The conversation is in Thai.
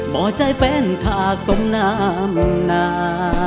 บ่อใจเป้นค่าสมน้ำนา